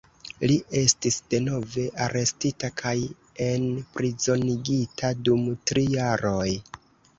Li estis denove arestita kaj enprizonigita dum tri jaroj.